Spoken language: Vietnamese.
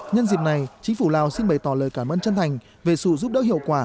nhân dịp này chính phủ lào xin bày tỏ lời cảm ơn chân thành về sự giúp đỡ hiệu quả